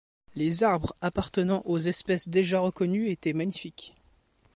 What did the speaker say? Les arbres, appartenant aux espèces déjà reconnues, étaient magnifiques